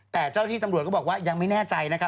แต่เจ้าที่ตำรวจก็บอกว่ายังไม่แน่ใจนะครับ